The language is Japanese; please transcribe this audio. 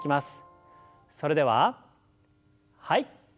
それでははい。